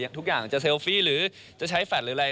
ทุกอย่างจะเซลฟี่หรือจะใช้แฟลตหรืออะไร